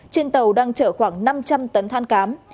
trên tàu đang chở khoảng năm trăm linh tấn than cám